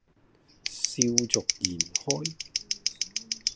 笑逐言開